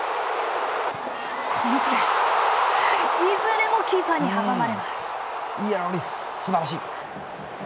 このプレーいずれもキーパーに阻まれます。